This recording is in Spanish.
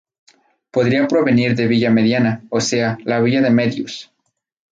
Podría provenir de "Villa Mediana", o sea "La villa de Medius.